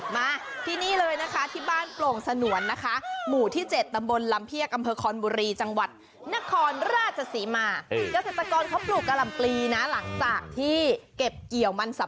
มาที่นี่เลยนะคะที่บ้านปลกสนวนนะคะหมู่ที่๗แต่มบลอัมเพียสกำเภากลมพี